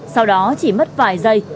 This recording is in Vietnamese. sau đó chỉ mất vài giây